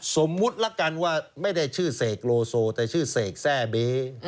สมมุติละกันว่าไม่ได้ชื่อเสกโลโซแต่ชื่อเสกแทร่เบ